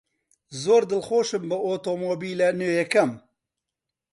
زۆر دڵخۆشم بە ئۆتۆمۆبیلە نوێیەکەم.